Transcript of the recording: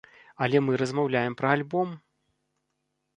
Але мы размаўляем пра альбом!